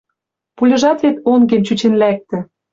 Пульыжат вет онгем чӱчен лӓктӹ